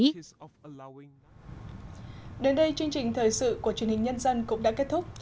đến đây chương trình thời sự của truyền hình nhân dân cũng đã kết thúc